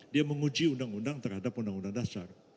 dia menguji undang undang terhadap undang undang dasar